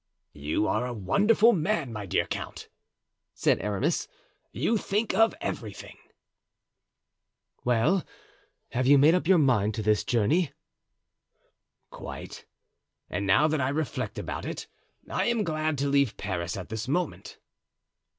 "You are a wonderful man, my dear count," said Aramis; "you think of everything." "Well, have you made up your mind to this journey?" "Quite; and now that I reflect about it, I am glad to leave Paris at this moment."